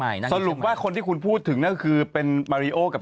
มะนักก็ใครตอนตายให้คุณไม่ไป